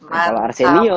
kalau arsenio itu pemberanung